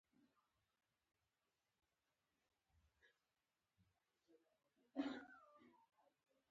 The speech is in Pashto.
یو سل او اووه اتیایمه پوښتنه د استهلاک په اړه ده.